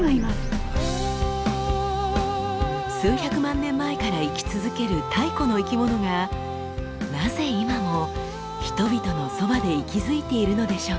数百万年前から生き続ける太古の生きものがなぜ今も人々のそばで息づいているのでしょうか。